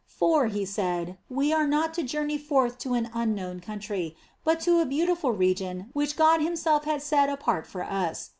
For, he said, we were not to journey forth to an unknown country, but to a beautiful region which God Himself had set apart for us.